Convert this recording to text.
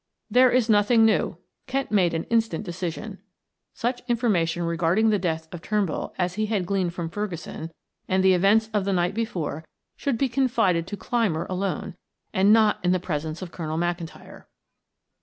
"There is nothing new," Kent had made instant decision; such information regarding the death of Turnbull as he had gleaned from Ferguson, and the events of the night before should be confided to Clymer alone, and not in the presence of Colonel McIntyre.